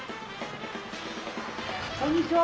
こんにちは！